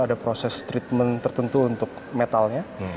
ada proses treatment tertentu untuk metalnya